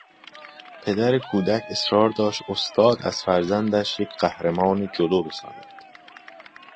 پدر کودک اصرار داشت استاد از فرزندش یک قهرمان جودو بسازد.